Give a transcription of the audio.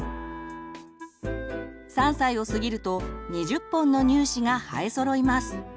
３歳を過ぎると２０本の乳歯が生えそろいます。